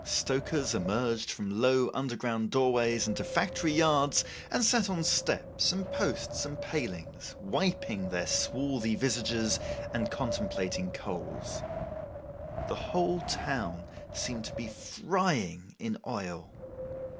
Stokers emerged from low underground doorways into factory yards, and sat on steps, and posts, and palings, wiping their swarthy visages, and contemplating coals. The whole town seemed to be frying in oil.